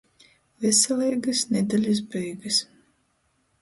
Veseleigys nedelis beigys!